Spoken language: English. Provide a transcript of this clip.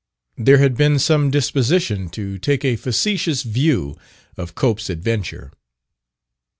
There had been some disposition to take a facetious view of Cope's adventure.